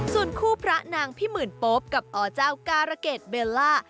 ส่วนคู่พระนางพิมื่นปบกับอ๋อเจ้าการเกรดเบลล่า